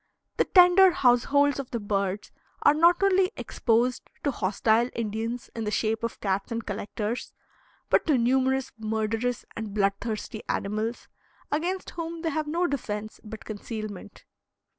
The tender households of the birds are not only exposed to hostile Indians in the shape of cats and collectors, but to numerous murderous and bloodthirsty animals, against whom they have no defense but concealment.